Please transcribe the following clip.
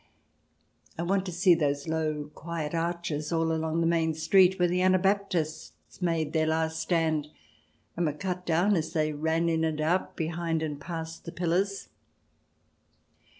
I want to see those low quiet arches all along the main street where the Anabaptists made their last stand, and were cut down as they ran in and out, behind and past, the pillars."